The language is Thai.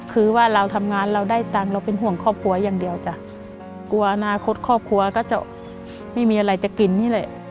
คือว่าเราทำงานเราได้ตังค์เราเป็นห่วงครอบครัวอย่างเดียวจ้ะกลัวอนาคตครอบครัวก็จะไม่มีอะไรจะกินนี่แหละ